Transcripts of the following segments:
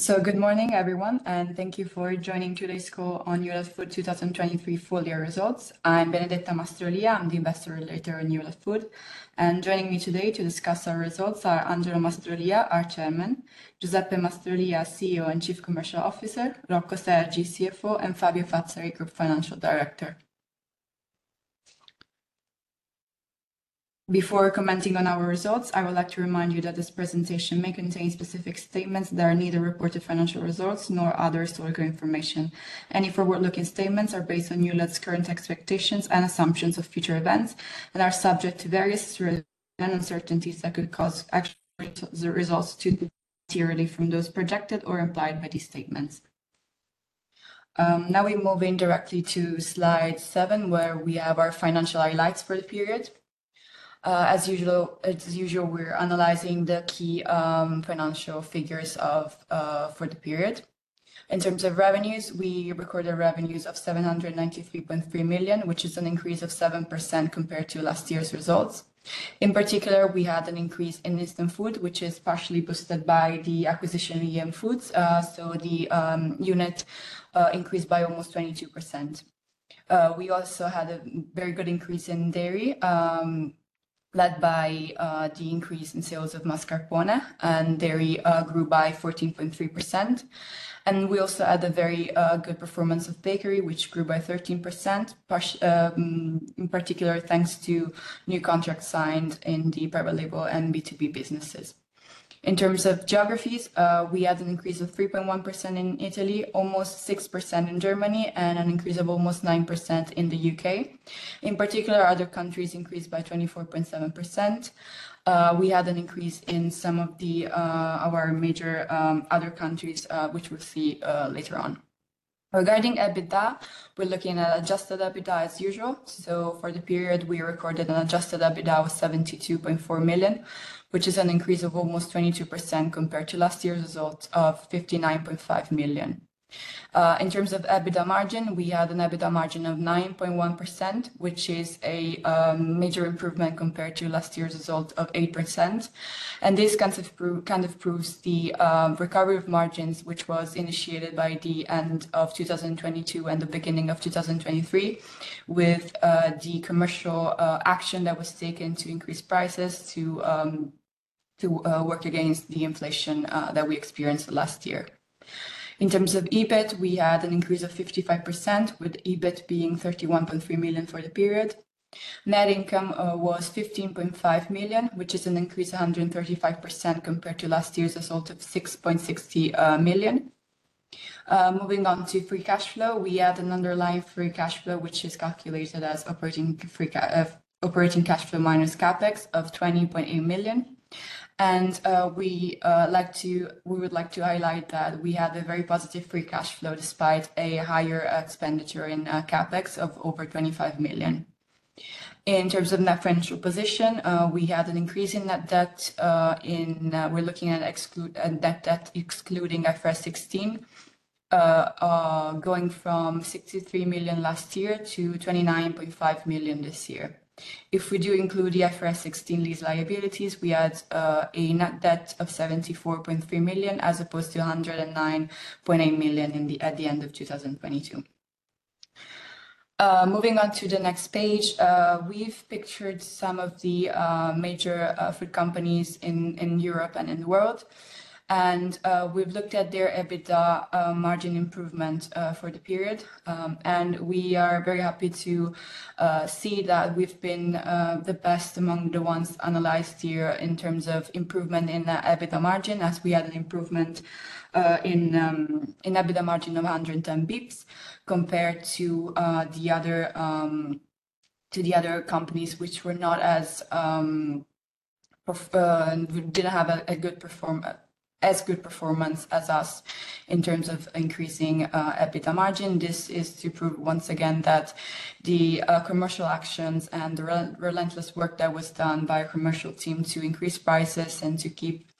So, good morning, everyone, and thank you for joining today's call on Newlat Food 2023 full-year results. I'm Benedetta Mastrolia, I'm the Investor Relator at Newlat Food, and joining me today to discuss our results are Angelo Mastrolia, our chairman, Giuseppe Mastrolia, CEO and Chief Commercial Officer, Rocco Sergi, CFO, and Fabio Fazzari, Group Financial Director. Before commenting on our results, I would like to remind you that this presentation may contain specific statements that are neither reported financial results nor other historical information. Any forward-looking statements are based on Newlat Food's current expectations and assumptions of future events and are subject to various relevant uncertainties that could cause actual results to differ materially from those projected or implied by these statements. Now we move on directly to slide seven where we have our financial highlights for the period. As usual, we're analyzing the key financial figures for the period. In terms of revenues, we recorded revenues of 793.3 million, which is an increase of 7% compared to last year's results. In particular, we had an increase in instant food, which is partially boosted by the acquisition of EM Foods, so the unit increased by almost 22%. We also had a very good increase in dairy, led by the increase in sales of mascarpone, and dairy grew by 14.3%. We also had a very good performance of bakery, which grew by 13%, in particular thanks to new contracts signed in the private label and B2B businesses. In terms of geographies, we had an increase of 3.1% in Italy, almost 6% in Germany, and an increase of almost 9% in the U.K. In particular, other countries increased by 24.7%. We had an increase in some of our major other countries, which we'll see later on. Regarding EBITDA, we're looking at adjusted EBITDA as usual. So for the period, we recorded an adjusted EBITDA of 72.4 million, which is an increase of almost 22% compared to last year's results of 59.5 million. In terms of EBITDA margin, we had an EBITDA margin of 9.1%, which is a major improvement compared to last year's results of 8%. This kind of proves the recovery of margins, which was initiated by the end of 2022 and the beginning of 2023, with the commercial action that was taken to increase prices to work against the inflation that we experienced last year. In terms of EBIT, we had an increase of 55%, with EBIT being 31.3 million for the period. Net income was 15.5 million, which is an increase of 135% compared to last year's results of 6.60 million. Moving on to free cash flow, we had an underlying free cash flow, which is calculated as operating cash flow minus CapEx of 20.8 million. And we would like to highlight that we had a very positive free cash flow despite a higher expenditure in CapEx of over 25 million. In terms of net financial position, we had an increase in net debt in we're looking at net debt excluding IFRS 16, going from 63 million last year to 29.5 million this year. If we do include the IFRS 16 lease liabilities, we had a net debt of 74.3 million as opposed to 109.8 million at the end of 2022. Moving on to the next page, we've pictured some of the major food companies in Europe and in the world. And we've looked at their EBITDA margin improvement for the period. And we are very happy to see that we've been the best among the ones analyzed here in terms of improvement in net EBITDA margin, as we had an improvement in EBITDA margin of 110 basis points compared to the other companies, which were not as, didn't have a good performance as us in terms of increasing EBITDA margin. This is to prove once again that the commercial actions and the relentless work that was done by a commercial team to increase prices and to keep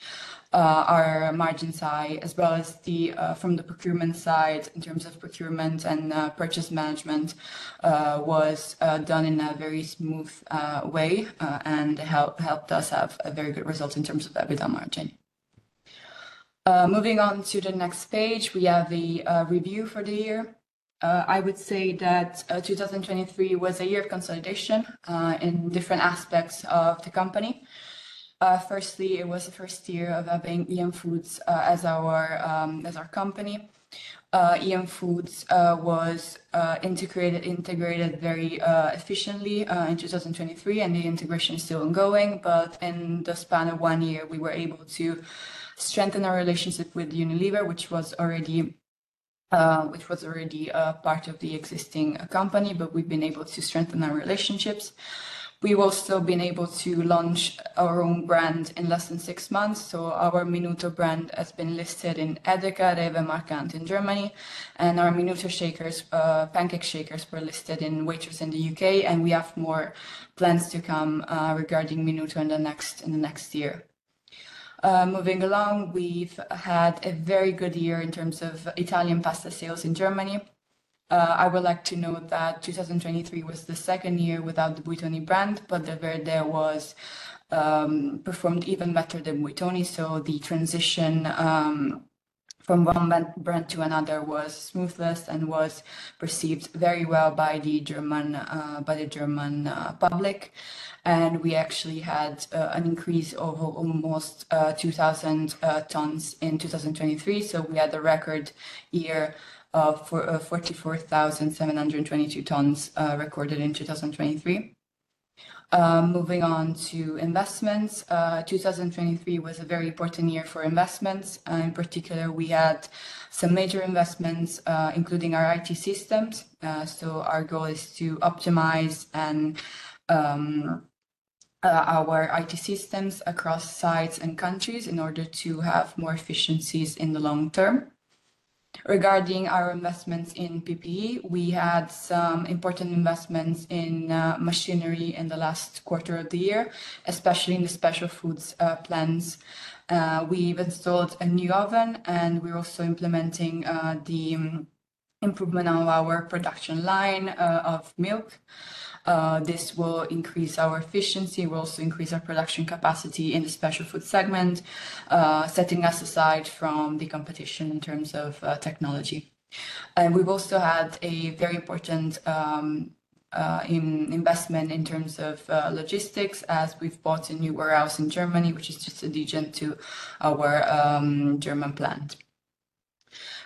our margins high, as well as from the procurement side, in terms of procurement and purchase management, was done in a very smooth way and helped us have a very good result in terms of EBITDA margin. Moving on to the next page, we have the review for the year. I would say that 2023 was a year of consolidation in different aspects of the company. Firstly, it was the first year of having EM Foods as our company. EM Foods was integrated very efficiently in 2023, and the integration is still ongoing. But in the span of one year, we were able to strengthen our relationship with Unilever, which was already part of the existing company, but we've been able to strengthen our relationships. We've also been able to launch our own brand in less than six months. So our Minuto brand has been listed in EDEKA, REWE, Markant in Germany. And our Minuto shakers, pancake shakers, were listed in Waitrose in the U.K. And we have more plans to come regarding Minuto in the next year. Moving along, we've had a very good year in terms of Italian pasta sales in Germany. I would like to note that 2023 was the second year without the Buitoni brand, but Delverde performed even better than Buitoni. So the transition from one brand to another was smooth and was perceived very well by the German public. And we actually had an increase of almost 2,000 tons in 2023. So we had a record year of 44,722 tons recorded in 2023. Moving on to investments, 2023 was a very important year for investments. In particular, we had some major investments, including our IT systems. So our goal is to optimize our IT systems across sites and countries in order to have more efficiencies in the long term. Regarding our investments in PPE, we had some important investments in machinery in the last quarter of the year, especially in the special foods plants. We've installed a new oven, and we're also implementing the improvement on our production line of milk. This will increase our efficiency. We'll also increase our production capacity in the special food segment, setting us aside from the competition in terms of technology. We've also had a very important investment in terms of logistics, as we've bought a new warehouse in Germany, which is just adjacent to our German plant.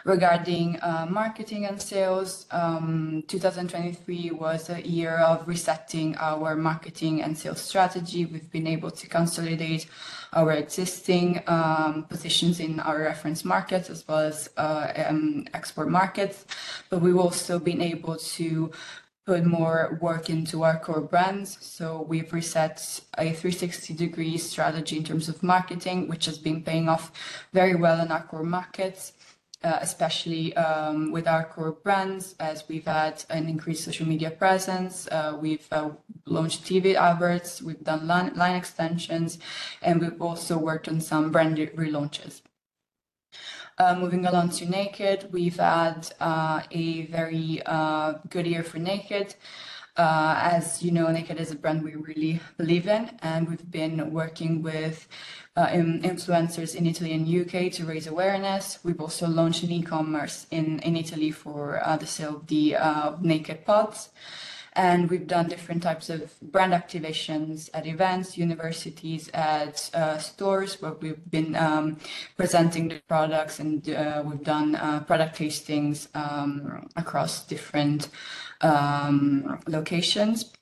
Regarding marketing and sales, 2023 was a year of resetting our marketing and sales strategy. We've been able to consolidate our existing positions in our reference markets, as well as export markets. We've also been able to put more work into our core brands. We've reset a 360-degree strategy in terms of marketing, which has been paying off very well in our core markets, especially with our core brands, as we've had an increased social media presence. We've launched TV ads, we've done line extensions, and we've also worked on some brand relaunches. Moving along to Naked, we've had a very good year for Naked. As you know, Naked is a brand we really believe in, and we've been working with influencers in Italy and U.K. to raise awareness. We've also launched an e-commerce in Italy for the sale of the Naked Pods. We've done different types of brand activations at events, universities, at stores where we've been presenting the products, and we've done product tastings across different locations.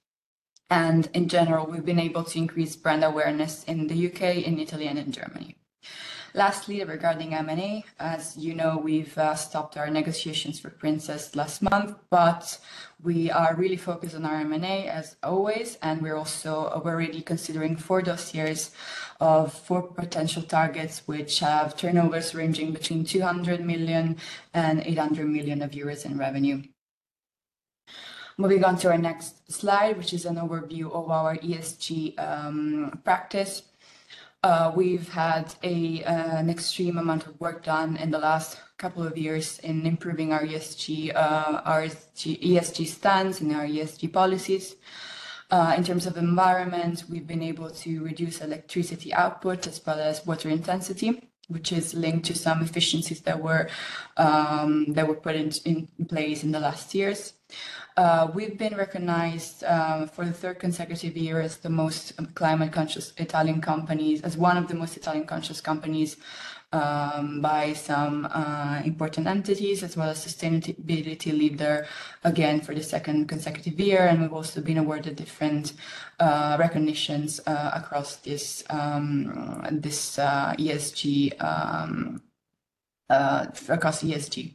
In general, we've been able to increase brand awareness in the U.K., in Italy, and in Germany. Lastly, regarding M&A, as you know, we've stopped our negotiations for Princes last month, but we are really focused on our M&A, as always. We're also already considering four dossiers of four potential targets, which have turnovers ranging between 200 million and 800 million euros in revenue. Moving on to our next slide, which is an overview of our ESG practice. We've had an extreme amount of work done in the last couple of years in improving our ESG standards and our ESG policies. In terms of environment, we've been able to reduce electricity output as well as water intensity, which is linked to some efficiencies that were put in place in the last years. We've been recognized for the third consecutive year as the most climate-conscious Italian companies, as one of the most Italian-conscious companies by some important entities, as well as sustainability leader, again, for the second consecutive year. We've also been awarded different recognitions across ESG.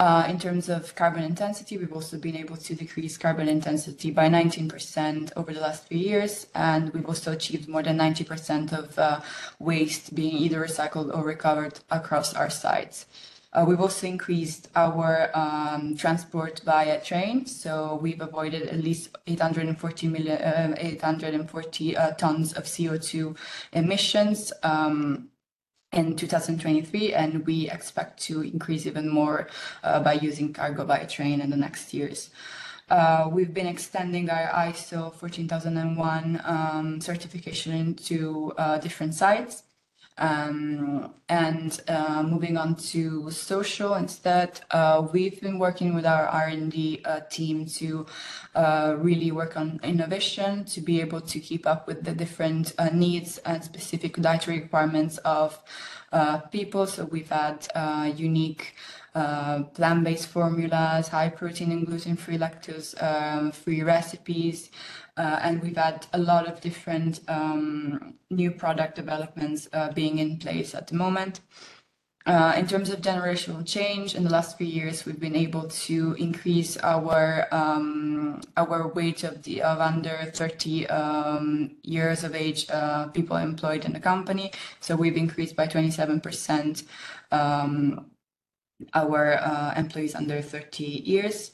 In terms of carbon intensity, we've also been able to decrease carbon intensity by 19% over the last few years. We've also achieved more than 90% of waste being either recycled or recovered across our sites. We've also increased our transport via train. We've avoided at least 840 tons of CO2 emissions in 2023, and we expect to increase even more by using cargo via train in the next years. We've been extending our ISO 14001 certification to different sites. Moving on to social instead, we've been working with our R&D team to really work on innovation, to be able to keep up with the different needs and specific dietary requirements of people. We've had unique plant-based formulas, high-protein and gluten-free, lactose-free recipes. We've had a lot of different new product developments being in place at the moment. In terms of generational change, in the last few years, we've been able to increase our weight of under 30 years of age people employed in the company. So we've increased by 27% our employees under 30 years.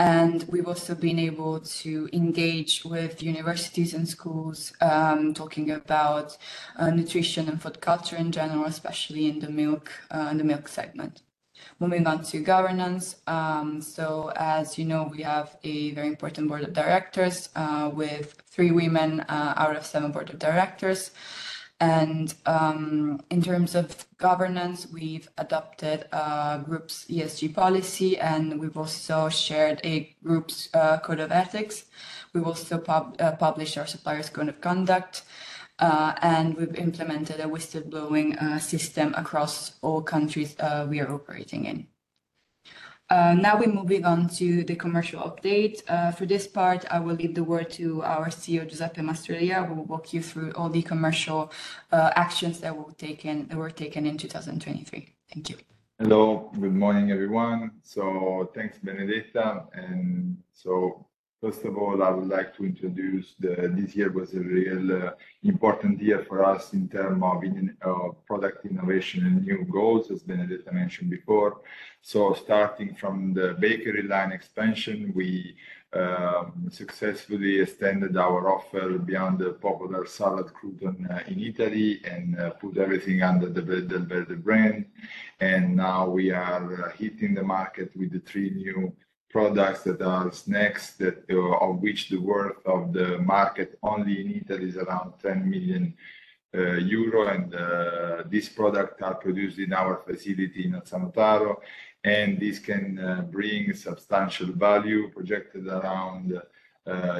And we've also been able to engage with universities and schools, talking about nutrition and food culture in general, especially in the milk segment. Moving on to governance. So as you know, we have a very important board of directors with three women out of seven board of directors. And in terms of governance, we've adopted group's ESG policy, and we've also shared a group's code of ethics. We've also published our supplier's code of conduct. And we've implemented a whistleblowing system across all countries we are operating in. Now we're moving on to the commercial update. For this part, I will leave the word to our CEO, Giuseppe Mastrolia. We'll walk you through all the commercial actions that were taken in 2023. Thank you. Hello. Good morning, everyone. So thanks, Benedetta. And so first of all, I would like to introduce this year was a real important year for us in terms of product innovation and new goals, as Benedetta mentioned before. So starting from the bakery line expansion, we successfully extended our offer beyond the popular salad crouton in Italy and put everything under the Delverde brand. And now we are hitting the market with the three new products that are next, of which the worth of the market only in Italy is around 10 million euro. And these products are produced in our facility in Sansepolcro. And this can bring substantial value projected around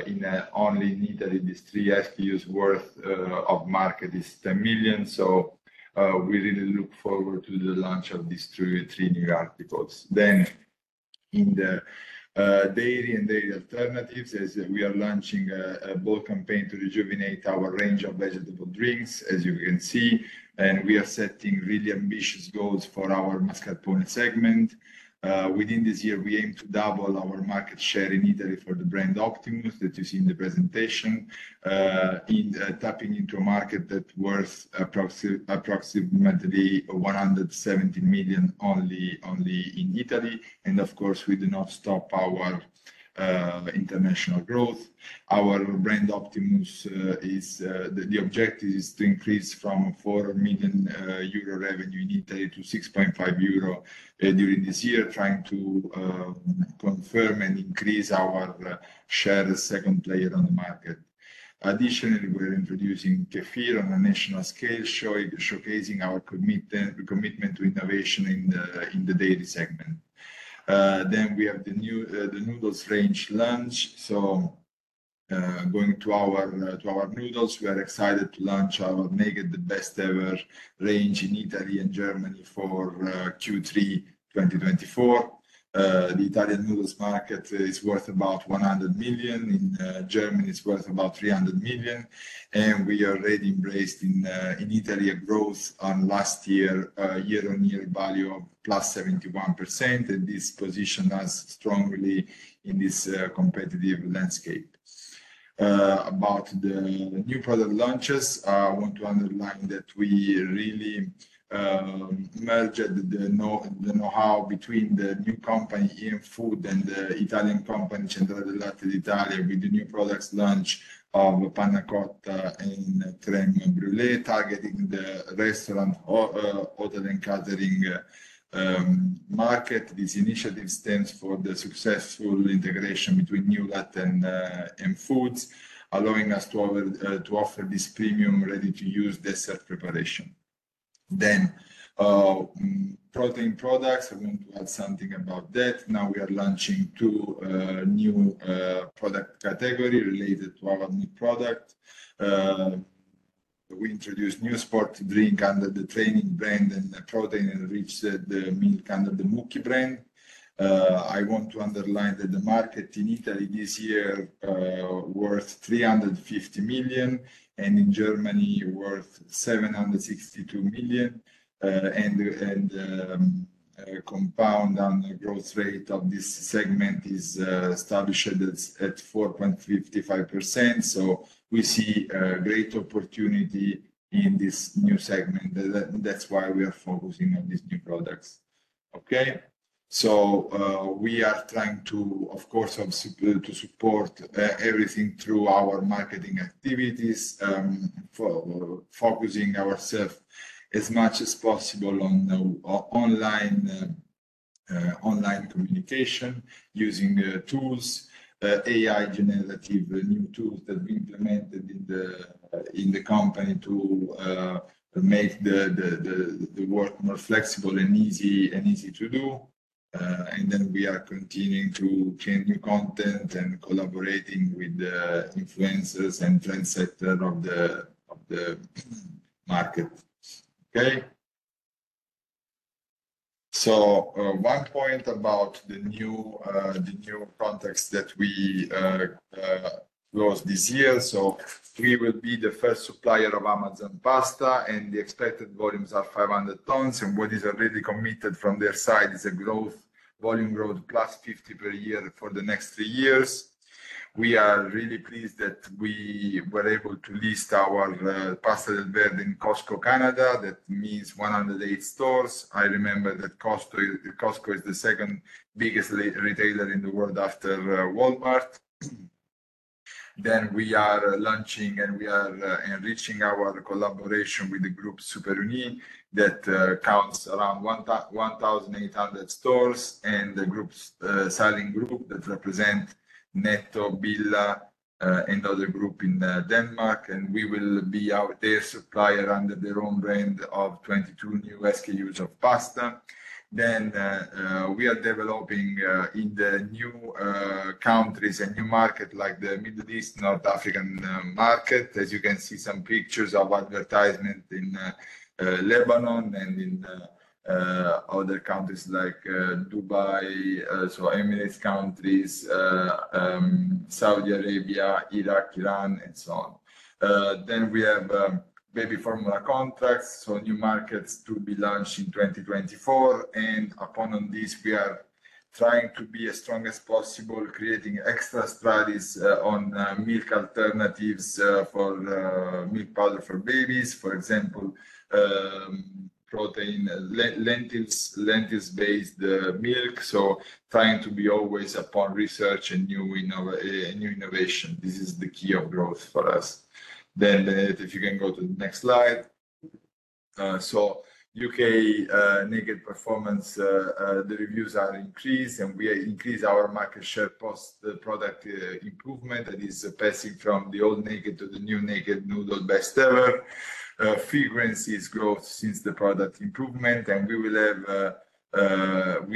in only in Italy, these three SKUs' worth of market is 10 million. So we really look forward to the launch of these three new articles. In the dairy and dairy alternatives, as we are launching a bold campaign to rejuvenate our range of vegetable drinks, as you can see. We are setting really ambitious goals for our mascarpone segment. Within this year, we aim to double our market share in Italy for the brand Optimus that you see in the presentation, tapping into a market that's worth approximately 117 million only in Italy. Of course, we do not stop our international growth. Our brand Optimus is the objective is to increase from 4 million euro revenue in Italy to 6.5 million euro during this year, trying to confirm and increase our share as a second player on the market. Additionally, we're introducing kefir on a national scale, showcasing our commitment to innovation in the dairy segment. Then we have the new noodles range launch. So going to our noodles, we are excited to launch our Naked, the best-ever range in Italy and Germany for Q3 2024. The Italian noodles market is worth about 100 million. In Germany, it's worth about 300 million. We already embraced in Italy a growth on last year, year-on-year value of +71%. This positioned us strongly in this competitive landscape. About the new product launches, I want to underline that we really merged the know-how between the new company EM Foods and the Italian company Centrale del Latte d'Italia with the new products launch of panna cotta and crème brûlée, targeting the restaurant, hotel, and catering market. This initiative stands for the successful integration between Newlat and EM Foods, allowing us to offer this premium ready-to-use dessert preparation. Then protein products, I want to add something about that. Now we are launching two new product categories related to our new product. We introduced new sports drink under the Training brand and the protein-enriched milk under the Mukki brand. I want to underline that the market in Italy this year worth 350 million and in Germany worth 762 million. The compound growth rate of this segment is established at 4.55%. We see great opportunity in this new segment. That's why we are focusing on these new products. Okay? We are trying to, of course, support everything through our marketing activities, focusing ourselves as much as possible on online communication, using tools, AI-generative new tools that we implemented in the company to make the work more flexible and easy to do. Then we are continuing to create new content and collaborating with influencers and trendsetters of the market. Okay? So one point about the new context that we closed this year. So we will be the first supplier of Amazon pasta, and the expected volumes are 500 tons. And what is already committed from their side is a volume growth +50% per year for the next three years. We are really pleased that we were able to list our Delverde pasta in Costco Canada. That means 108 stores. I remember that Costco is the second biggest retailer in the world after Walmart. Then we are launching and we are enriching our collaboration with the group Superunie that counts around 1,800 stores and the Salling Group that represents Netto, Bilka and other groups in Denmark. And we will be their supplier under their own brand of 22 new SKUs of pasta. Then we are developing in the new countries a new market like the Middle East, North Africa market. As you can see some pictures of advertisements in Lebanon and in other countries like Dubai, so Emirates countries, Saudi Arabia, Iraq, Iran, and so on. Then we have baby formula contracts, so new markets to be launched in 2024. And upon this, we are trying to be as strong as possible, creating extra studies on milk alternatives for milk powder for babies, for example, lentil-based milk. So trying to be always upon research and new innovation. This is the key of growth for us. Then, if you can go to the next slide. So, U.K. Naked performance, the revenues are increased, and we increased our market share post-product improvement that is passing from the old Naked to the new Naked noodle, best-ever. France's growth since the product improvement. And we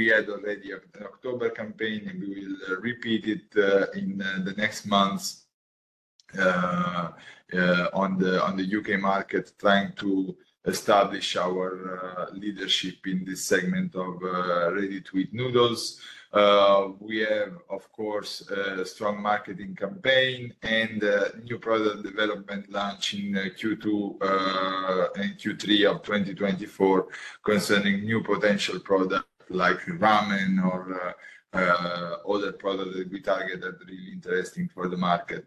had already an October campaign, and we will repeat it in the next months on the U.K. market, trying to establish our leadership in this segment of ready-to-eat noodles. We have, of course, a strong marketing campaign and new product development launching Q2 and Q3 of 2024 concerning new potential products like ramen or other products that we target that are really interesting for the market.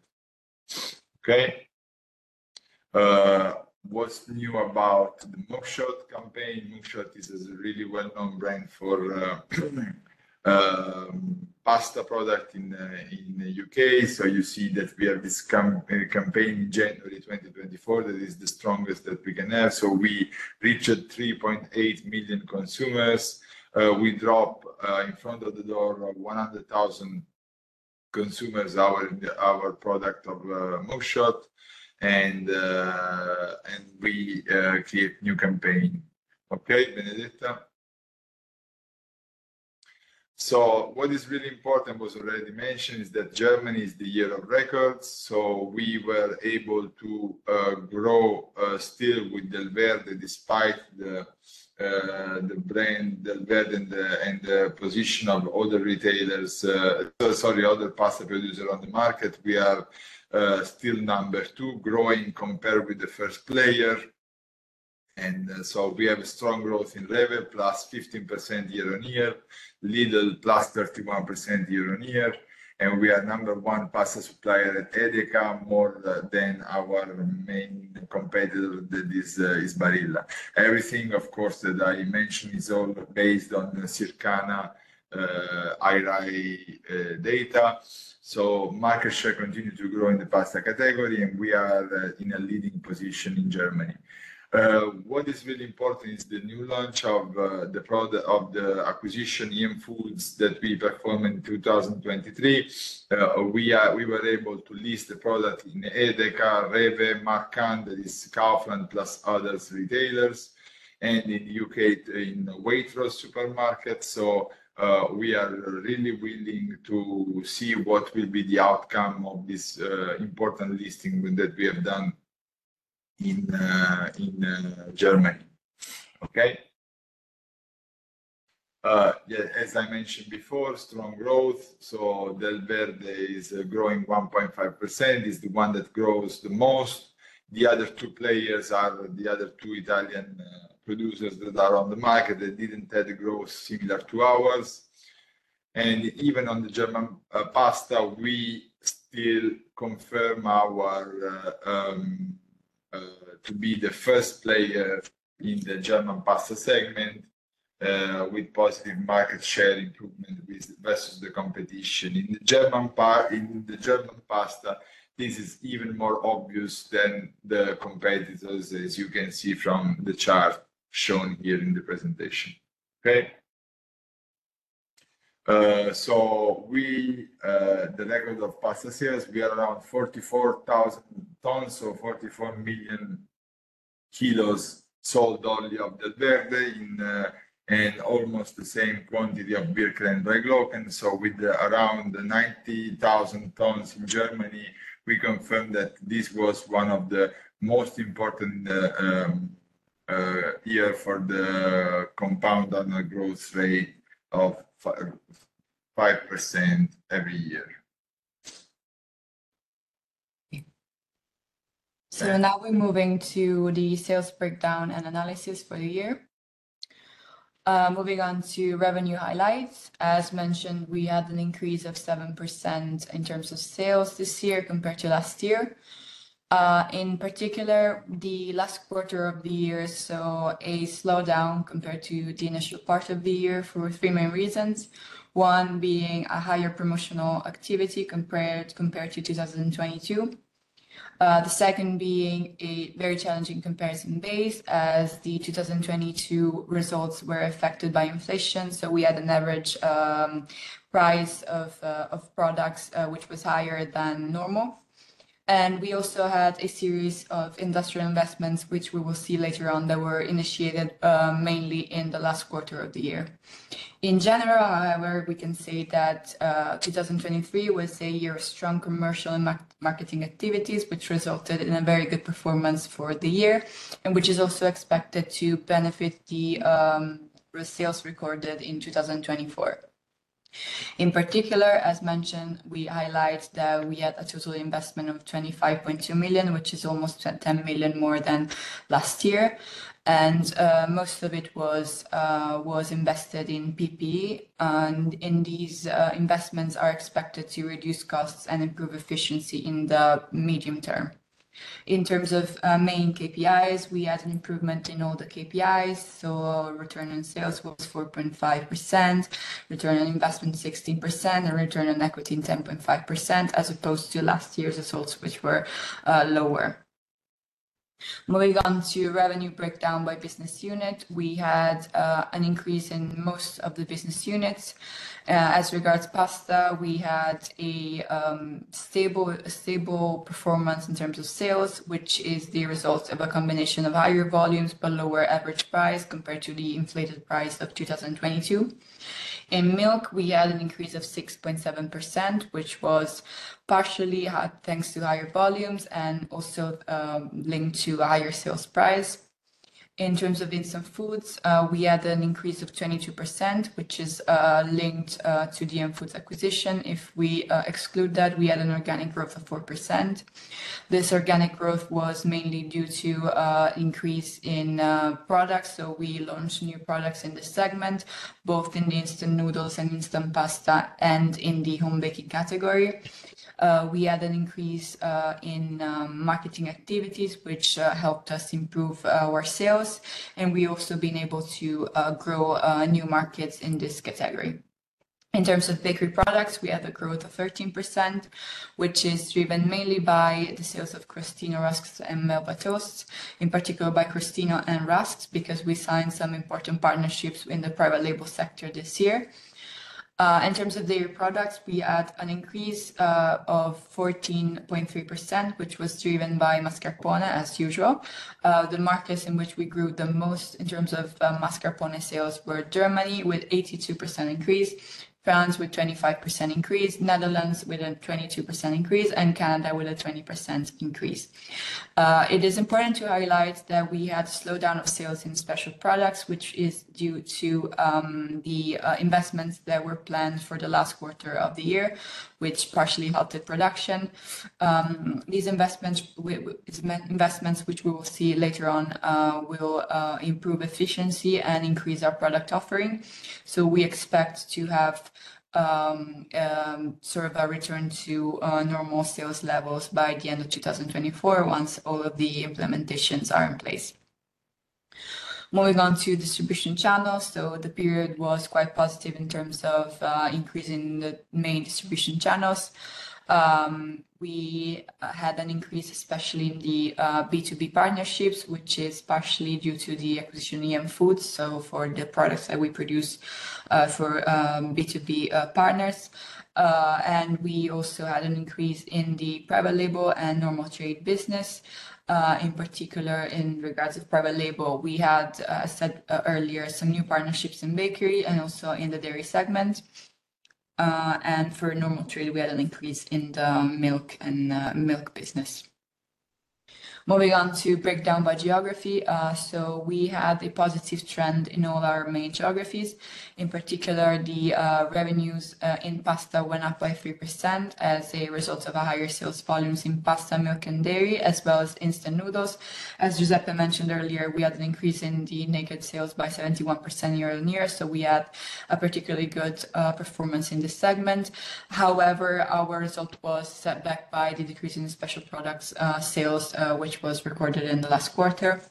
Okay? What's new about the Mug Shot campaign? Mug Shot is a really well-known brand for pasta products in the U.K. So you see that we have this campaign in January 2024 that is the strongest that we can have. So we reached 3.8 million consumers. We dropped in front of the door 100,000 consumers our product of Mug Shot. And we created a new campaign. Okay, Benedetta? So what is really important, was already mentioned, is that Germany is the year of records. So we were able to grow still with Delverde despite the brand Delverde and the position of other retailers, sorry, other pasta producers, on the market. We are still number two growing compared with the first player. So we have a strong growth in revenue, +15% year-over-year, Lidl +31% year-over-year. And we are number one pasta supplier at EDEKA more than our main competitor that is Barilla. Everything, of course, that I mentioned is all based on Circana IRI data. So market share continued to grow in the pasta category, and we are in a leading position in Germany. What is really important is the new launch of the acquisition EM Foods that we performed in 2023. We were able to list the product in EDEKA, REWE, Markant, that is Kaufland plus other retailers, and in the U.K. in Waitrose supermarket. So we are really willing to see what will be the outcome of this important listing that we have done in Germany. Okay? Yeah, as I mentioned before, strong growth. So Delverde is growing 1.5%. It's the one that grows the most. The other two players are the other two Italian producers that are on the market that didn't have the growth similar to ours. And even on the German pasta, we still confirm to be the first player in the German pasta segment with positive market share improvement versus the competition. In the German pasta, this is even more obvious than the competitors, as you can see from the chart shown here in the presentation. Okay? So the record of pasta sales, we are around 44,000 tons, so 44,000,000 kilos sold only of Delverde and almost the same quantity of Birkel and 3 Glocken. So with around 90,000 tons in Germany, we confirmed that this was one of the most important years for the compound growth rate of 5% every year. So now we're moving to the sales breakdown and analysis for the year. Moving on to revenue highlights. As mentioned, we had an increase of 7% in terms of sales this year compared to last year. In particular, the last quarter of the year, so a slowdown compared to the initial part of the year for three main reasons. One being a higher promotional activity compared to 2022. The second being a very challenging comparison base as the 2022 results were affected by inflation. So we had an average price of products, which was higher than normal. And we also had a series of industrial investments, which we will see later on, that were initiated mainly in the last quarter of the year. In general, however, we can say that 2023 was a year of strong commercial and marketing activities, which resulted in a very good performance for the year and which is also expected to benefit the sales recorded in 2024. In particular, as mentioned, we highlight that we had a total investment of 25.2 million, which is almost 10 million more than last year. Most of it was invested in PPE. These investments are expected to reduce costs and improve efficiency in the medium term. In terms of main KPIs, we had an improvement in all the KPIs. Return on sales was 4.5%, return on investment 16%, and return on equity 10.5% as opposed to last year's results, which were lower. Moving on to revenue breakdown by business unit, we had an increase in most of the business units. As regards to pasta, we had a stable performance in terms of sales, which is the result of a combination of higher volumes but lower average price compared to the inflated price of 2022. In milk, we had an increase of 6.7%, which was partially thanks to higher volumes and also linked to higher sales price. In terms of instant foods, we had an increase of 22%, which is linked to the EM Foods acquisition. If we exclude that, we had an organic growth of 4%. This organic growth was mainly due to an increase in products. So we launched new products in this segment, both in the instant noodles and instant pasta and in the home baking category. We had an increase in marketing activities, which helped us improve our sales. And we've also been able to grow new markets in this category. In terms of bakery products, we had a growth of 13%, which is driven mainly by the sales of Crostino, Rusks, and Melba Toasts, in particular by Crostino and Rusks because we signed some important partnerships in the private label sector this year. In terms of dairy products, we had an increase of 14.3%, which was driven by mascarpone, as usual. The markets in which we grew the most in terms of mascarpone sales were Germany with an 82% increase, France with a 25% increase, Netherlands with a 22% increase, and Canada with a 20% increase. It is important to highlight that we had a slowdown of sales in special products, which is due to the investments that were planned for the last quarter of the year, which partially halted production. These investments, which we will see later on, will improve efficiency and increase our product offering. We expect to have sort of a return to normal sales levels by the end of 2024 once all of the implementations are in place. Moving on to distribution channels. The period was quite positive in terms of increasing the main distribution channels. We had an increase, especially in the B2B partnerships, which is partially due to the acquisition EM Foods, so for the products that we produce for B2B partners. We also had an increase in the private label and normal trade business. In particular, in regards to private label, we had, as said earlier, some new partnerships in bakery and also in the dairy segment. For normal trade, we had an increase in the milk and milk business. Moving on to breakdown by geography. We had a positive trend in all our main geographies. In particular, the revenues in pasta went up by 3% as a result of higher sales volumes in pasta, milk, and dairy, as well as instant noodles. As Giuseppe mentioned earlier, we had an increase in the net sales by 71% year-on-year. So we had a particularly good performance in this segment. However, our result was set back by the decrease in special products sales, which was recorded in the last quarter.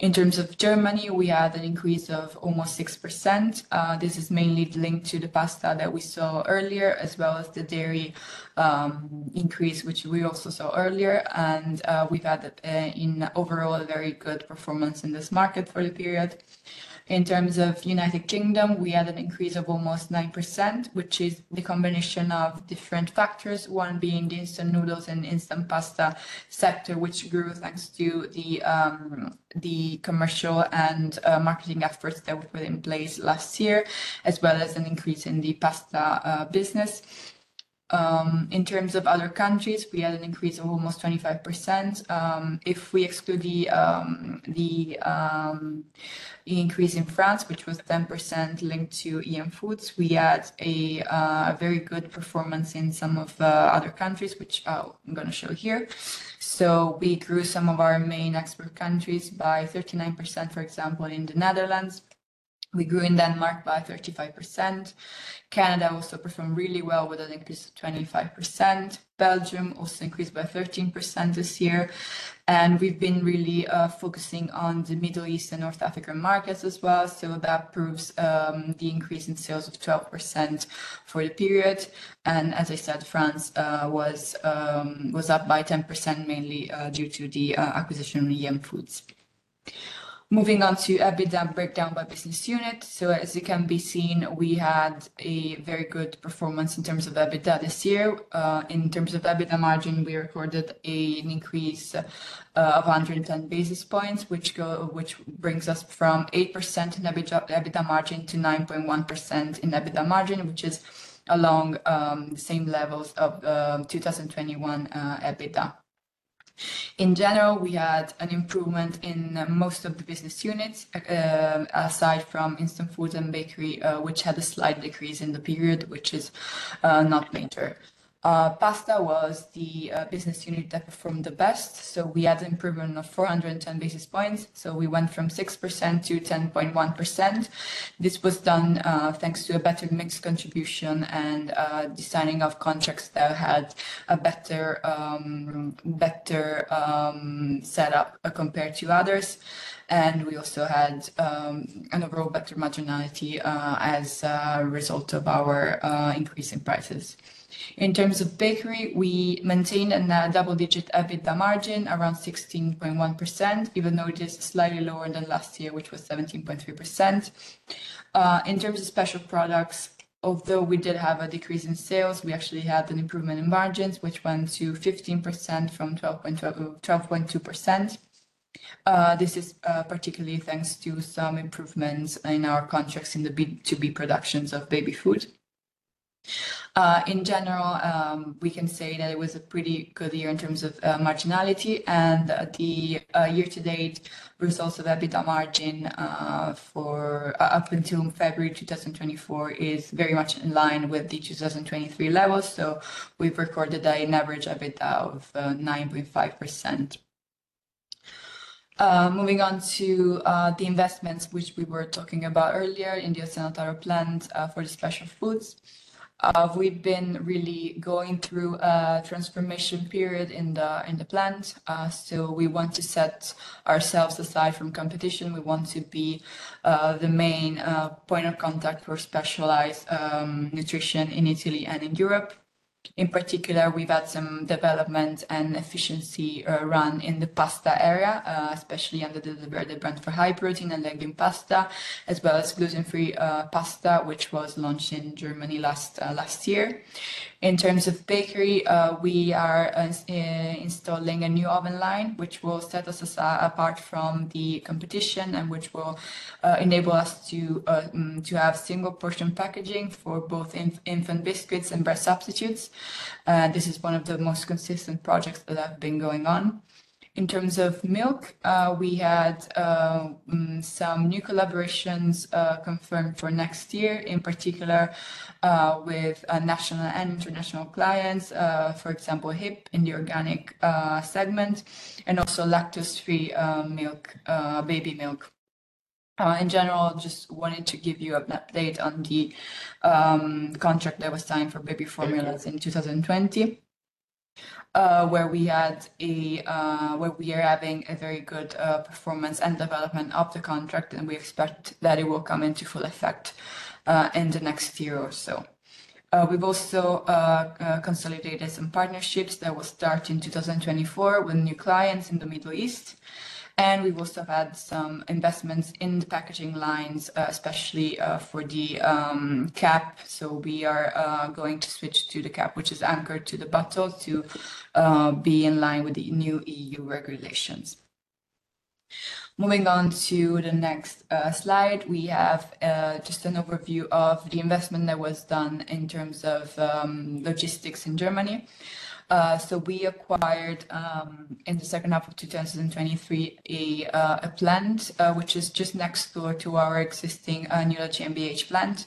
In terms of Germany, we had an increase of almost 6%. This is mainly linked to the pasta that we saw earlier, as well as the dairy increase, which we also saw earlier. We've had, overall, a very good performance in this market for the period. In terms of the United Kingdom, we had an increase of almost 9%, which is the combination of different factors, one being the instant noodles and instant pasta sector, which grew thanks to the commercial and marketing efforts that were put in place last year, as well as an increase in the pasta business. In terms of other countries, we had an increase of almost 25%. If we exclude the increase in France, which was 10% linked to EM Foods, we had a very good performance in some of other countries, which I'm going to show here. We grew some of our main export countries by 39%, for example, in the Netherlands. We grew in Denmark by 35%. Canada also performed really well with an increase of 25%. Belgium also increased by 13% this year. We've been really focusing on the Middle East and North African markets as well. That proves the increase in sales of 12% for the period. As I said, France was up by 10%, mainly due to the acquisition of EM Foods. Moving on to EBITDA breakdown by business unit. As you can see, we had a very good performance in terms of EBITDA this year. In terms of EBITDA margin, we recorded an increase of 110 basis points, which brings us from 8% in EBITDA margin to 9.1% in EBITDA margin, which is along the same levels of 2021 EBITDA. In general, we had an improvement in most of the business units, aside from instant foods and bakery, which had a slight decrease in the period, which is not major. Pasta was the business unit that performed the best. So we had an improvement of 410 basis points. So we went from 6% to 10.1%. This was done thanks to a better mixed contribution and designing of contracts that had a better setup compared to others. And we also had an overall better marginality as a result of our increase in prices. In terms of bakery, we maintained a double-digit EBITDA margin around 16.1%, even though it is slightly lower than last year, which was 17.3%. In terms of special products, although we did have a decrease in sales, we actually had an improvement in margins, which went to 15% from 12.2%. This is particularly thanks to some improvements in our contracts in the B2B productions of baby food. In general, we can say that it was a pretty good year in terms of marginality. The year-to-date results of EBITDA margin up until February 2024 is very much in line with the 2023 levels. We've recorded an average EBITDA of 9.5%. Moving on to the investments, which we were talking about earlier in the Ozzano Taro plants for the special foods. We've been really going through a transformation period in the plants. We want to set ourselves apart from competition. We want to be the main point of contact for specialized nutrition in Italy and in Europe. In particular, we've had some development and efficiency run in the pasta area, especially under the Delverde brand for high protein and legume pasta, as well as gluten-free pasta, which was launched in Germany last year. In terms of bakery, we are installing a new oven line, which will set us apart from the competition and which will enable us to have single-portion packaging for both infant biscuits and breast substitutes. This is one of the most consistent projects that have been going on. In terms of milk, we had some new collaborations confirmed for next year, in particular with national and international clients, for example, HiPP in the organic segment, and also lactose-free baby milk. In general, I just wanted to give you an update on the contract that was signed for baby formulas in 2020, where we are having a very good performance and development of the contract, and we expect that it will come into full effect in the next year or so. We've also consolidated some partnerships that will start in 2024 with new clients in the Middle East. We've also had some investments in the packaging lines, especially for the cap. We are going to switch to the cap, which is anchored to the bottle to be in line with the new EU regulations. Moving on to the next slide, we have just an overview of the investment that was done in terms of logistics in Germany. We acquired, in the second half of 2023, a plant, which is just next door to our existing Newlat GmbH plant,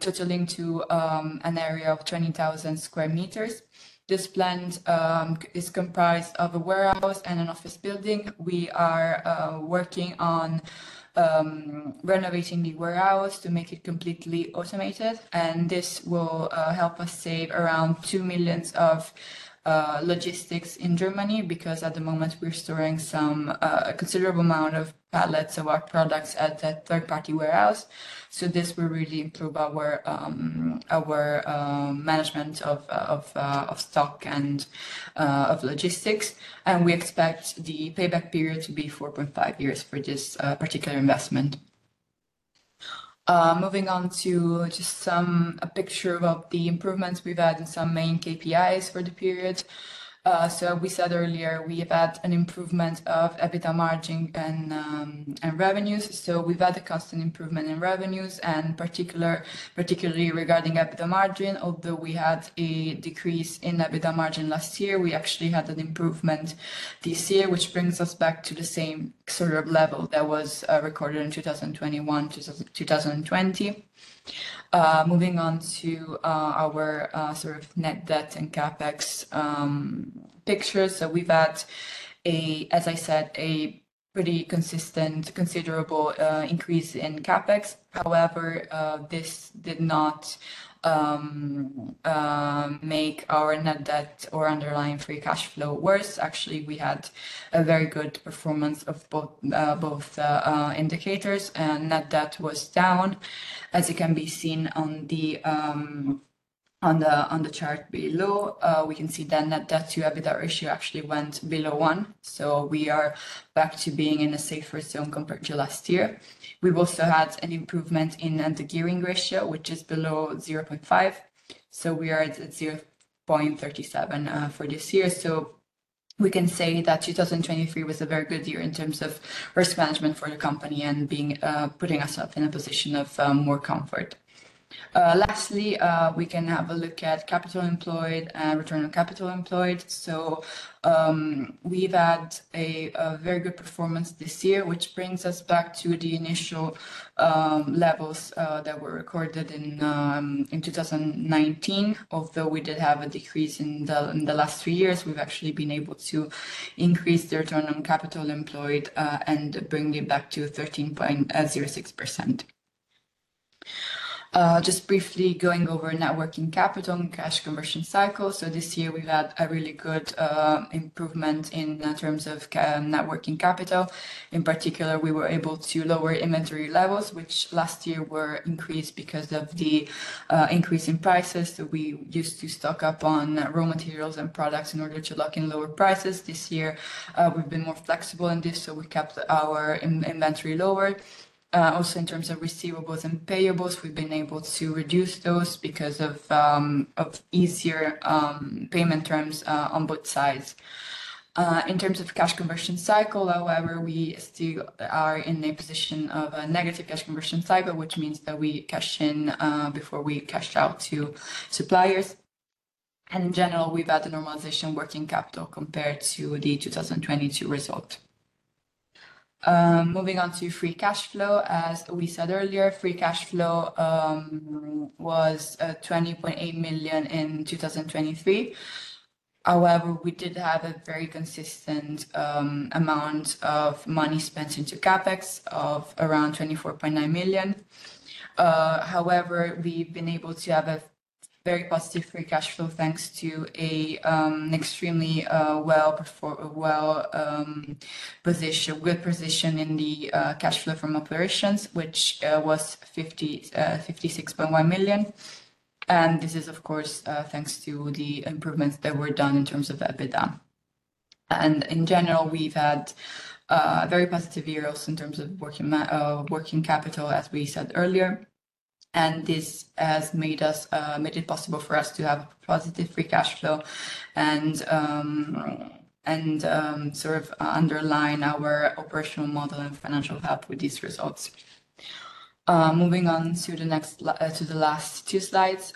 totally linked to an area of 20,000 sq m. This plant is comprised of a warehouse and an office building. We are working on renovating the warehouse to make it completely automated. And this will help us save around 2 million of logistics in Germany because at the moment, we're storing some considerable amount of pallets of our products at a third-party warehouse. This will really improve our management of stock and of logistics. We expect the payback period to be four point five years for this particular investment. Moving on to just a picture of the improvements we've had in some main KPIs for the period. We said earlier, we've had an improvement of EBITDA margin and revenues. We've had a constant improvement in revenues, and particularly regarding EBITDA margin, although we had a decrease in EBITDA margin last year, we actually had an improvement this year, which brings us back to the same sort of level that was recorded in 2021-2020. Moving on to our sort of net debt and CapEx picture. We've had, as I said, a pretty consistent, considerable increase in CapEx. However, this did not make our net debt or underlying free cash flow worse. Actually, we had a very good performance of both indicators. Net debt was down, as you can see on the chart below. We can see that net-debt-to-EBITDA ratio actually went below one. So we are back to being in a safer zone compared to last year. We've also had an improvement in the gearing ratio, which is below 0.5. So we are at 0.37 for this year. So we can say that 2023 was a very good year in terms of risk management for the company and putting us in a position of more comfort. Lastly, we can have a look at capital employed and return on capital employed. So we've had a very good performance this year, which brings us back to the initial levels that were recorded in 2019. Although we did have a decrease in the last three years, we've actually been able to increase the return on capital employed and bring it back to 13.06%. Just briefly going over net working capital and cash conversion cycle. So this year, we've had a really good improvement in terms of net working capital. In particular, we were able to lower inventory levels, which last year were increased because of the increase in prices. So we used to stock up on raw materials and products in order to lock in lower prices. This year, we've been more flexible in this, so we kept our inventory lower. Also, in terms of receivables and payables, we've been able to reduce those because of easier payment terms on both sides. In terms of cash conversion cycle, however, we still are in a position of a negative cash conversion cycle, which means that we cash in before we cash out to suppliers. In general, we've had a normalization working capital compared to the 2022 result. Moving on to free cash flow. As we said earlier, free cash flow was 20.8 million in 2023. However, we did have a very consistent amount of money spent into CapEx of around 24.9 million. However, we've been able to have a very positive free cash flow thanks to an extremely well-positioned cash flow from operations, which was 56.1 million. This is, of course, thanks to the improvements that were done in terms of EBITDA. In general, we've had very positive years in terms of working capital, as we said earlier. This has made it possible for us to have a positive free cash flow and sort of underline our operational model and financial help with these results. Moving on to the last two slides,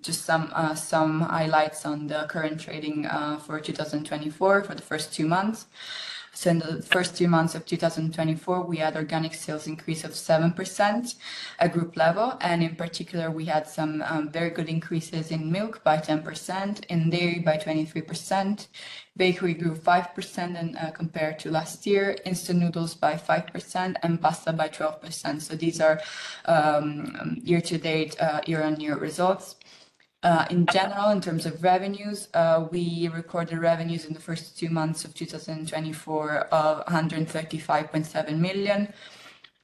just some highlights on the current trading for 2024 for the first two months. In the first two months of 2024, we had organic sales increase of 7% at group level. And in particular, we had some very good increases in milk by 10%, in dairy by 23%, bakery grew 5% compared to last year, instant noodles by 5%, and pasta by 12%. These are year-to-date, year-on-year results. In general, in terms of revenues, we recorded revenues in the first two months of 2024 of 135.7 million,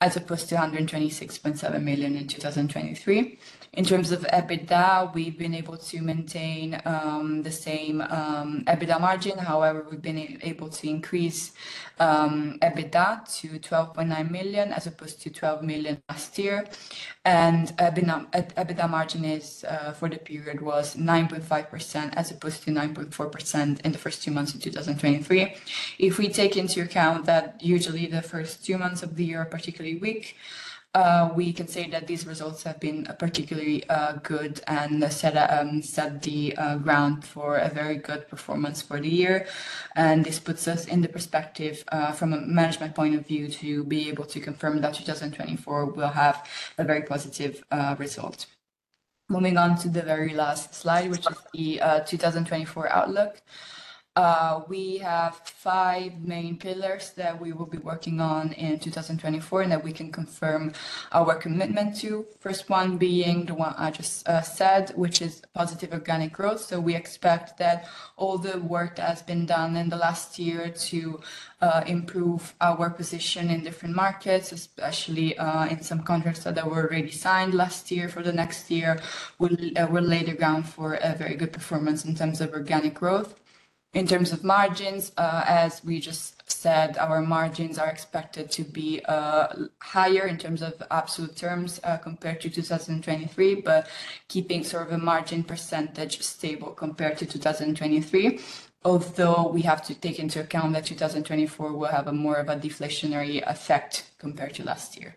as opposed to 126.7 million in 2023. In terms of EBITDA, we've been able to maintain the same EBITDA margin. However, we've been able to increase EBITDA to 12.9 million, as opposed to 12 million last year. EBITDA margin for the period was 9.5%, as opposed to 9.4% in the first two months of 2023. If we take into account that usually the first two months of the year are particularly weak, we can say that these results have been particularly good and set the ground for a very good performance for the year. This puts us in the perspective from a management point of view to be able to confirm that 2024 will have a very positive result. Moving on to the very last slide, which is the 2024 outlook. We have five main pillars that we will be working on in 2024 and that we can confirm our commitment to. First one being the one I just said, which is positive organic growth. So we expect that all the work that has been done in the last year to improve our position in different markets, especially in some contracts that were already signed last year for the next year, will lay the ground for a very good performance in terms of organic growth. In terms of margins, as we just said, our margins are expected to be higher in terms of absolute terms compared to 2023, but keeping sort of a margin percentage stable compared to 2023, although we have to take into account that 2024 will have more of a deflationary effect compared to last year.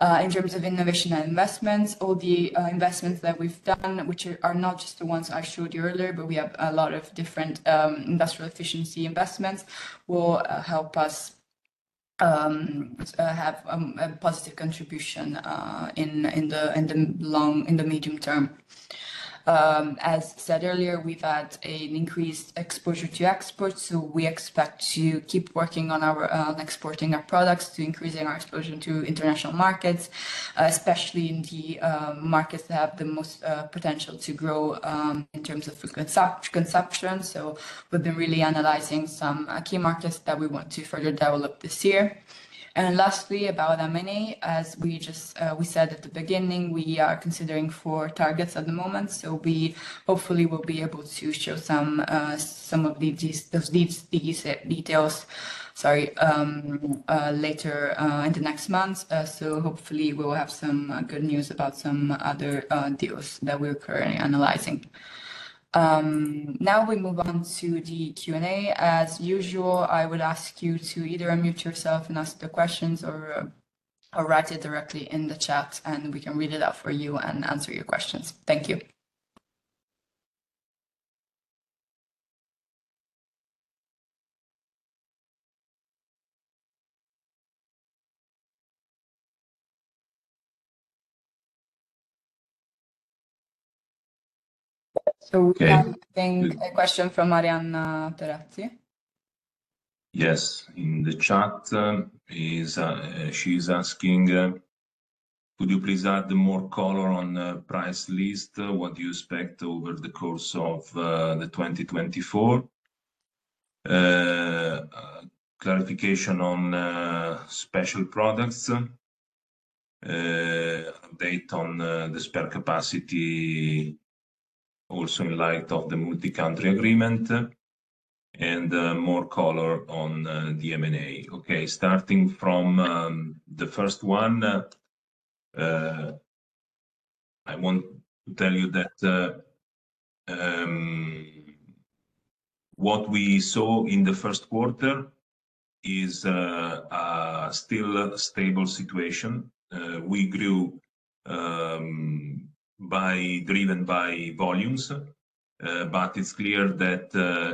In terms of innovation and investments, all the investments that we've done, which are not just the ones I showed you earlier, but we have a lot of different industrial efficiency investments, will help us have a positive contribution in the long and the medium term. As said earlier, we've had an increased exposure to exports. So we expect to keep working on exporting our products, to increasing our exposure to international markets, especially in the markets that have the most potential to grow in terms of food consumption. So we've been really analyzing some key markets that we want to further develop this year. And lastly, about M&A, as we said at the beginning, we are considering four targets at the moment. So we hopefully will be able to show some of these details, sorry, later in the next month. So hopefully, we will have some good news about some other deals that we're currently analyzing. Now we move on to the Q&A. As usual, I would ask you to either unmute yourself and ask the questions or write it directly in the chat, and we can read it out for you and answer your questions. Thank you. So we have a question from Arianna Terazzi. Yes, in the chat, she's asking, "Could you please add more color on the price list? What do you expect over the course of 2024?" Clarification on special products, update on the spare capacity, also in light of the multi-country agreement, and more color on the M&A. Okay, starting from the first one, I want to tell you that what we saw in the first quarter is still a stable situation. We grew driven by volumes, but it's clear that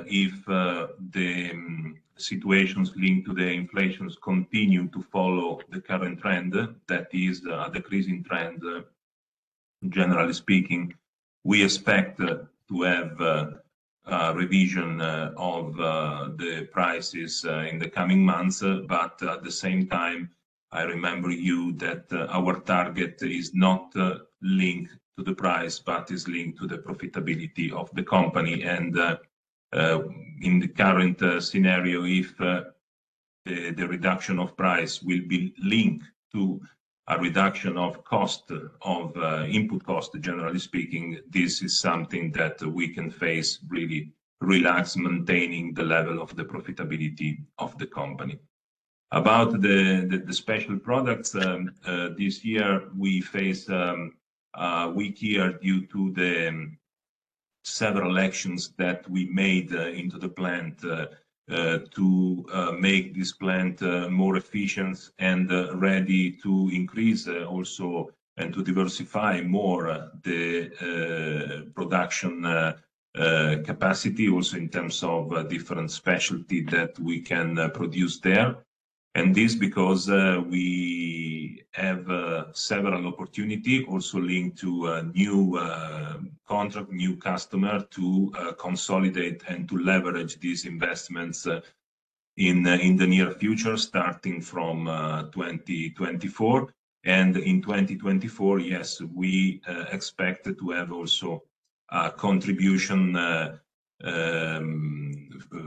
if the situations linked to the inflations continue to follow the current trend, that is, a decreasing trend, generally speaking, we expect to have a revision of the prices in the coming months. But at the same time, I remember you that our target is not linked to the price, but is linked to the profitability of the company. And in the current scenario, if the reduction of price will be linked to a reduction of input cost, generally speaking, this is something that we can face really relaxed, maintaining the level of the profitability of the company. About the special products, this year, we face a weak year due to the several actions that we made into the plant to make this plant more efficient and ready to increase also and to diversify more the production capacity, also in terms of different specialty that we can produce there. And this because we have several opportunities also linked to a new contract, new customer to consolidate and to leverage these investments in the near future, starting from 2024. And in 2024, yes, we expect to have also a contribution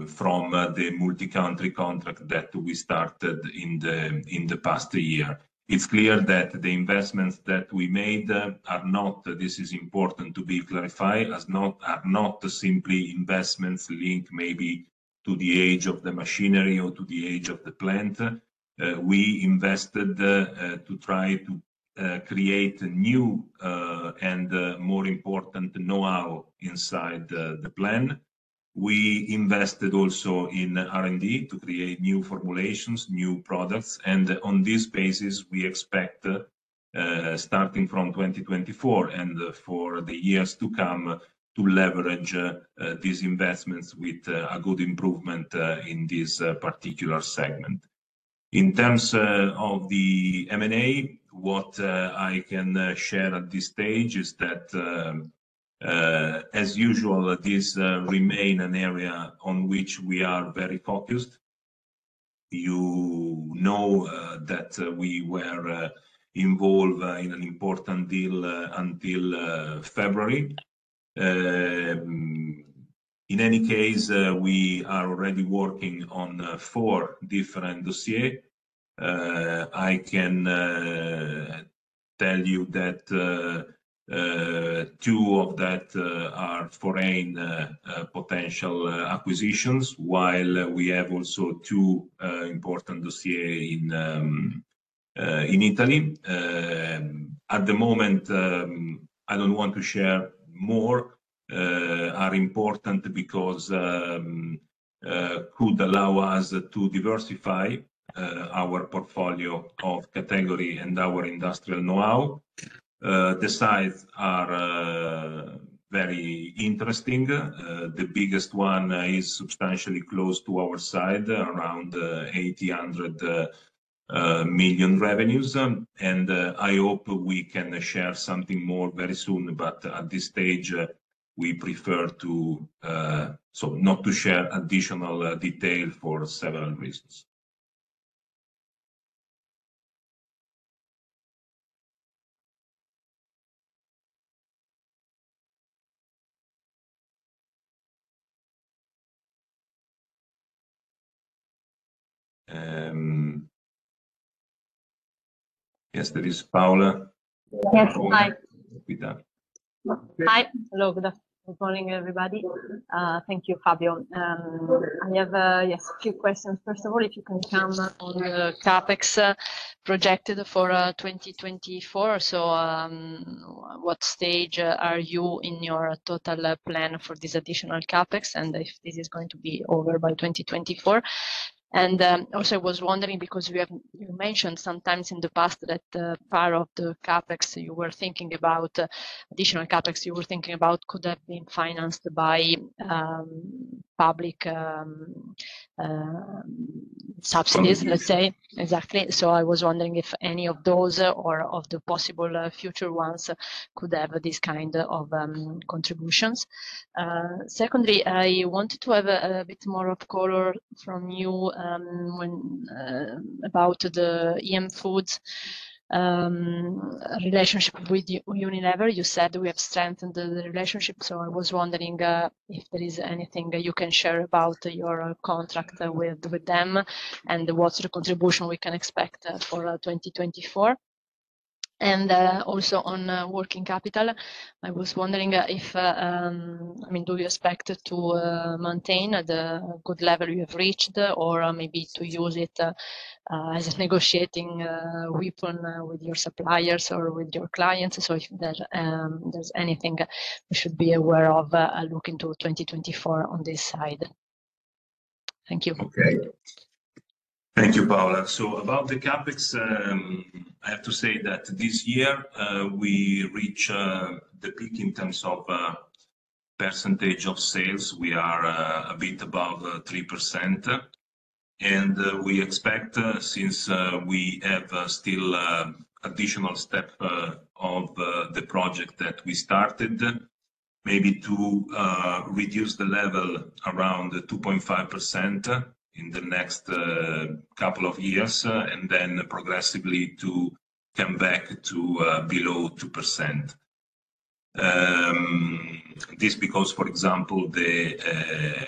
from the multi-country contract that we started in the past year. It's clear that the investments that we made are not, this is important to be clarified, are not simply investments linked maybe to the age of the machinery or to the age of the plant. We invested to try to create new and more important know-how inside the plant. We invested also in R&D to create new formulations, new products. And on this basis, we expect, starting from 2024 and for the years to come, to leverage these investments with a good improvement in this particular segment. In terms of the M&A, what I can share at this stage is that, as usual, this remains an area on which we are very focused. You know that we were involved in an important deal until February. In any case, we are already working on four different dossiers. I can tell you that two of that are foreign potential acquisitions, while we have also two important dossiers in Italy. At the moment, I don't want to share more. They are important because they could allow us to diversify our portfolio of category and our industrial know-how. The size is very interesting. The biggest one is substantially close to our side, around 800 million revenues. And I hope we can share something more very soon, but at this stage, we prefer not to share additional detail for several reasons. Yes, there is Paola. Yes, hi. Hi. Hello. Good afternoon. Good morning, everybody. Thank you, Fabio. I have, yes, a few questions. First of all, if you can come on the CapEx projected for 2024. So what stage are you in your total plan for this additional CapEx and if this is going to be over by 2024? And also, I was wondering because you mentioned sometimes in the past that part of the CapEx you were thinking about additional CapEx you were thinking about could have been financed by public subsidies, let's say. Exactly. I was wondering if any of those or of the possible future ones could have this kind of contributions. Secondly, I wanted to have a bit more of color from you about the EM Foods relationship with Unilever. You said we have strengthened the relationship. I was wondering if there is anything you can share about your contract with them and what's the contribution we can expect for 2024. Also on working capital, I was wondering if, I mean, do you expect to maintain the good level you have reached or maybe to use it as a negotiating weapon with your suppliers or with your clients? If there's anything we should be aware of looking to 2024 on this side. Thank you. Okay. Thank you, Paola. About the CapEx, I have to say that this year, we reached the peak in terms of percentage of sales. We are a bit above 3%. We expect, since we have still an additional step of the project that we started, maybe to reduce the level around 2.5% in the next couple of years and then progressively to come back to below 2%. This because, for example, the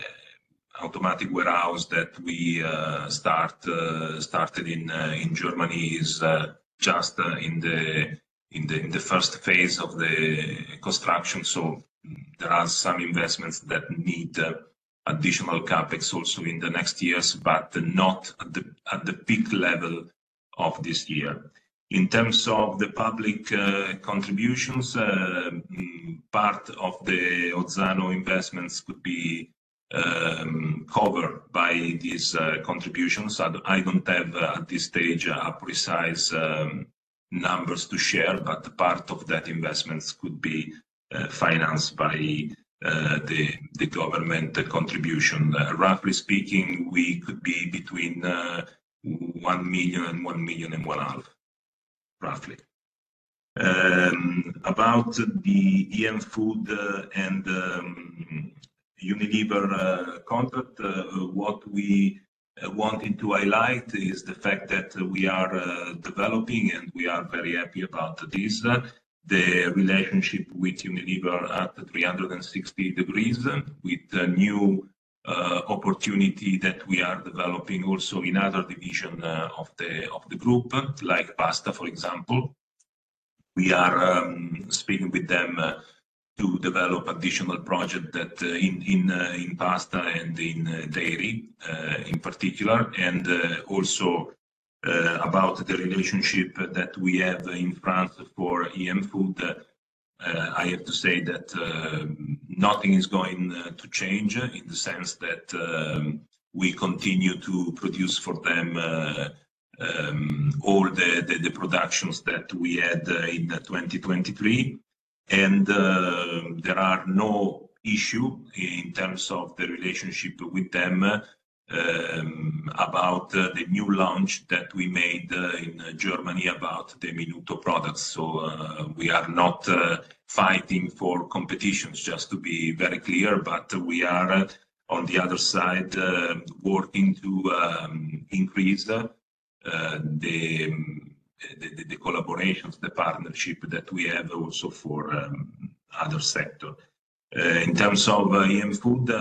automatic warehouse that we started in Germany is just in the first phase of the construction. There are some investments that need additional CapEx also in the next years, but not at the peak level of this year. In terms of the public contributions, part of the Ozzano investments could be covered by these contributions. I don't have at this stage precise numbers to share, but part of that investments could be financed by the government contribution. Roughly speaking, we could be between 1 million and 1.5 million, roughly. About the EM Foods and Unilever contract, what we wanted to highlight is the fact that we are developing, and we are very happy about this, the relationship with Unilever at 360 degrees with the new opportunity that we are developing also in other divisions of the group, like pasta, for example. We are speaking with them to develop additional projects in pasta and in dairy in particular. Also about the relationship that we have in France for EM Foods, I have to say that nothing is going to change in the sense that we continue to produce for them all the productions that we had in 2023. There are no issues in terms of the relationship with them about the new launch that we made in Germany about the Minuto products. So we are not fighting for competition, just to be very clear, but we are, on the other side, working to increase the collaborations, the partnership that we have also for other sectors. In terms of EM Foods,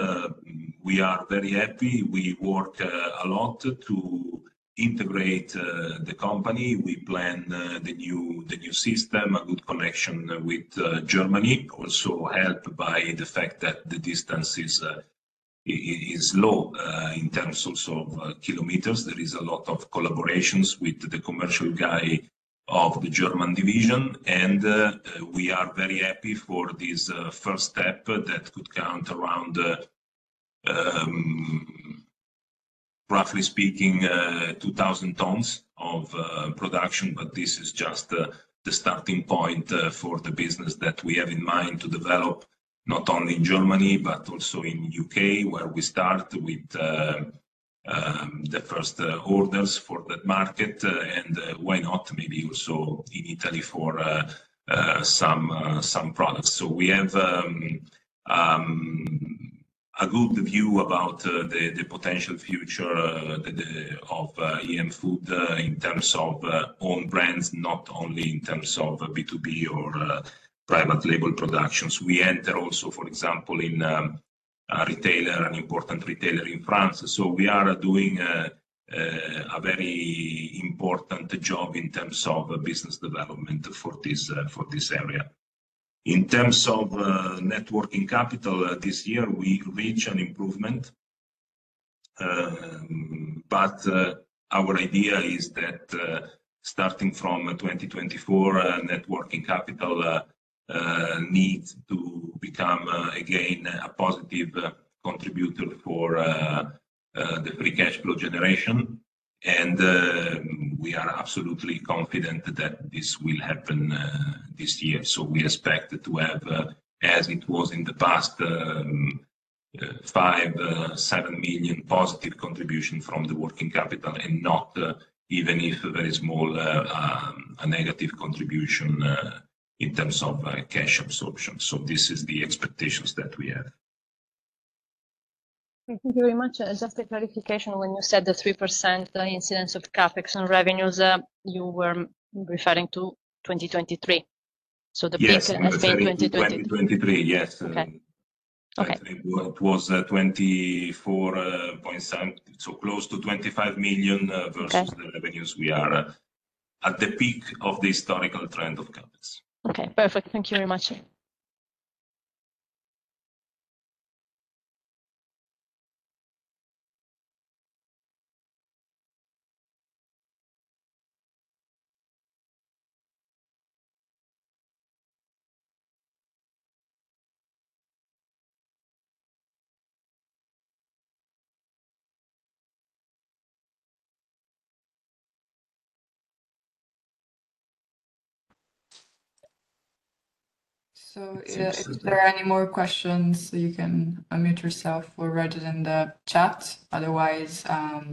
we are very happy. We work a lot to integrate the company. We plan the new system, a good connection with Germany, also helped by the fact that the distance is low in terms also of kilometers. There is a lot of collaborations with the commercial guy of the German division. We are very happy for this first step that could count around, roughly speaking, 2,000 tons of production. But this is just the starting point for the business that we have in mind to develop not only in Germany but also in the U.K., where we start with the first orders for that market, and why not maybe also in Italy for some products. So we have a good view about the potential future of EM Foods in terms of own brands, not only in terms of B2B or private label productions. We enter also, for example, in an important retailer in France. So we are doing a very important job in terms of business development for this area. In terms of net working capital, this year, we reached an improvement. But our idea is that, starting from 2024, net working capital needs to become, again, a positive contributor for the free cash flow generation. And we are absolutely confident that this will happen this year. So we expect to have, as it was in the past, 5 million-7 million positive contributions from the working capital and not even if very small, a negative contribution in terms of cash absorption. So this is the expectations that we have. Okay. Thank you very much. Just a clarification, when you said the 3% incidence of CapEx on revenues, you were referring to 2023? So the peak has been 2023. Yes. Yes. 2023. Yes. It was 24.7 million, so close to 25 million versus the revenues we are at the peak of the historical trend of CapEx. Okay. Perfect. Thank you very much. So if there are any more questions, you can unmute yourself or write it in the chat. Otherwise,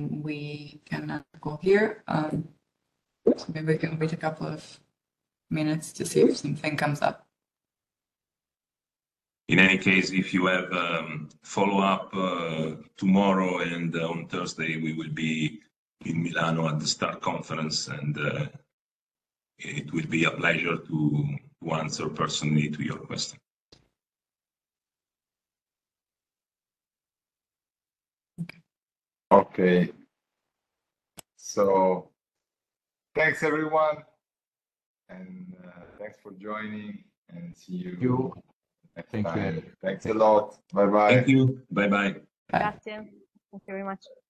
we can go here. So maybe we can wait a couple of minutes to see if something comes up. In any case, if you have a follow-up tomorrow and on Thursday, we will be in Milan at the STAR conference. It will be a pleasure to answer personally to your question. Okay. Okay. Thanks, everyone. Thanks for joining. See you. Thank you. Thanks a lot. Bye-bye. Thank you. Bye-bye. Bye. Thank you, Bastian. Thank you very much.